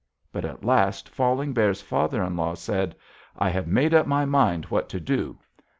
But at last Falling Bear's father in law said: 'I have made up my mind what to do.